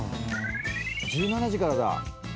１７時からだ。